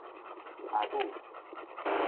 阿母